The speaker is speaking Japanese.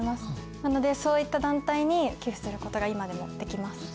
なのでそういった団体に寄付することが今でもできます。